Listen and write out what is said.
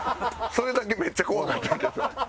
それだけめっちゃ怖かったけど。